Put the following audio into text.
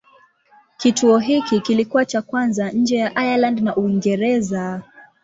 Kituo hiki kilikuwa cha kwanza nje ya Ireland na Uingereza.